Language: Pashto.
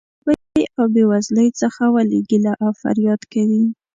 نو له غریبۍ او بې وزلۍ څخه ولې ګیله او فریاد کوې.